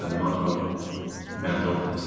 mantellum), mantle, etc.